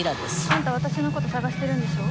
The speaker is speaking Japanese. あんた私のこと捜してるんでしょ？